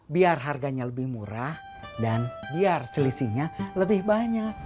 biar harganya lebih murah dan biar selisihnya lebih banyak